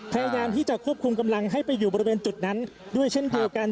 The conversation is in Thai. พยายามที่จะควบคุมกำลังให้ไปอยู่บริเวณจุดนั้นด้วยเช่นเดียวกัน